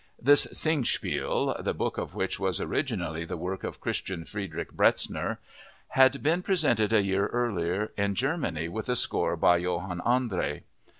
This Singspiel, the book of which was originally the work of Christian Friedrich Bretzner, had been presented a year earlier in Germany with a score by Johann André.